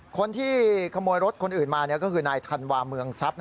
คนที่ขโมยรถคนอื่นมาก็คือนายธันวาเมืองทรัพย์